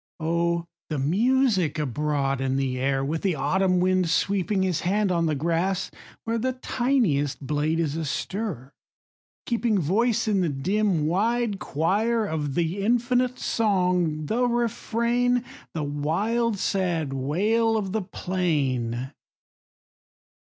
O the music abroad in the air, With the autumn wind sweeping His hand on the grass, where The tiniest blade is astir, keeping Voice in the dim, wide choir, Of the infinite song, the refrain, The wild, sad wail of the plain